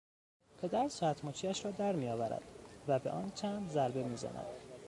پدر ساعت مچیاش را درمیآورد و به آن چند ضربه میزند